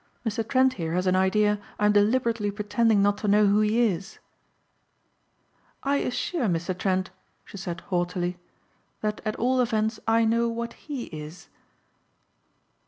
"Mr. Trent here has an idea I'm deliberately pretending not to know who he is." "I assure Mr. Trent," she said haughtily, "that at all events I know what he is."